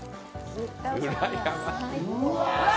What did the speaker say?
うらやましい。